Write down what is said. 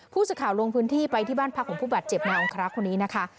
ผู้สื่อข่าวลงพื้นที่ไปที่บ้านพักของผู้บาดเจ็บนายองครักษ์คนนี้นะคะ